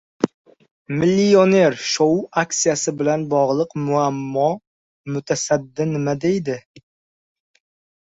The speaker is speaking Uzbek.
«Millioner shou» aksiyasi bilan bog‘liq muammo: mutasaddi nima deydi?